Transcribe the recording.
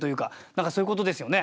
何かそういうことですよね。